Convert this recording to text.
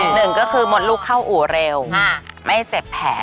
หนึ่งก็คือมดลูกเข้าอู่เร็วไม่เจ็บแผล